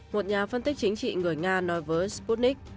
một nhà phân tích chính trị người nga nói với sputnik